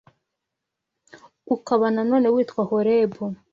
ukaba nanone witwa Horebu